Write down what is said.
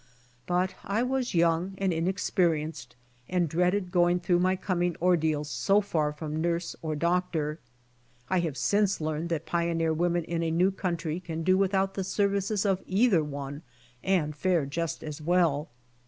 But I was young and inexperienced and dreaded going through my coming ordeal so far from nurse or doctor. I have since learned that pioneer women in a new country can do without the services of either one and fare just as well.